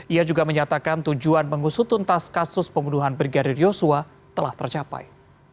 ia juga menyatakan tujuan mengusutuntas kasus pembunuhan brigadir yosua telah tercapai